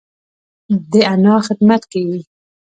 د انا خدمت کيي.